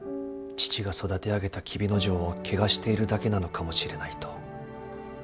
父が育て上げた黍之丞を汚しているだけなのかもしれないと。